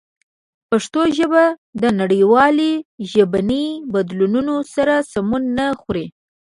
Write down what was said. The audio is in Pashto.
پښتو ژبه د نړیوالو ژبني بدلونونو سره سمون نه خوري.